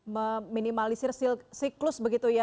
meminimalisir siklus begitu ya